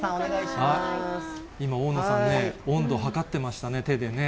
今、大野さんね、温度測ってましたね、手でね。